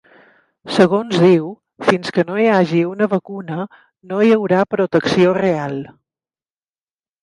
Segons diu, fins que no hi hagi una vacuna no hi haurà protecció real.